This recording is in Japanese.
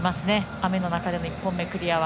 雨の中での１本目クリアは。